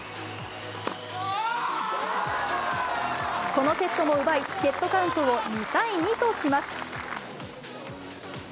このセットも奪い、セットカウントを２対２とします。